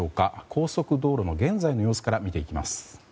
高速道路の現在の様子から見ていきます。